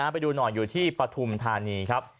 ไปดูหน่อยอยู่ที่ปฐุมธานีครับ